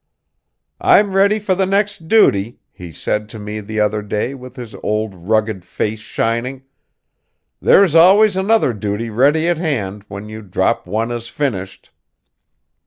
'I'm ready for the next duty,' he said to me the other day with his old rugged face shining; 'there's always another duty ready at hand, when you drop one as finished.'"